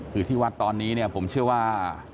คือที่วัดตอนนี้เนี่ยผมเชื่อว่า